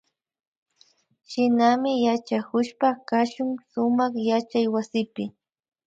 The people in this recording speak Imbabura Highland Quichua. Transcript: Shinami yachakushpa kashun sumak yachaywasipi